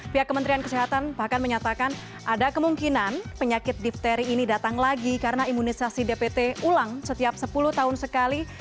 pihak kementerian kesehatan bahkan menyatakan ada kemungkinan penyakit difteri ini datang lagi karena imunisasi dpt ulang setiap sepuluh tahun sekali